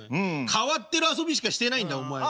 変わってる遊びしかしてないんだお前は。